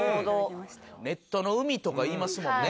「ネットの海」とか言いますもんね。